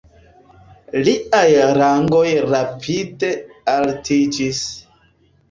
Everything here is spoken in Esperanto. Liaj rangoj rapide altiĝis.